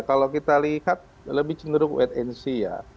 kalau kita lihat lebih cenderung wait and see ya